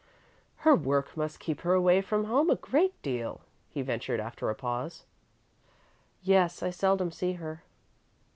"Her work must keep her away from home a great deal," he ventured, after a pause. "Yes. I seldom see her."